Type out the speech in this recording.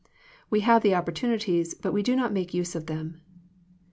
We have the opportunities, but we do not make use of them.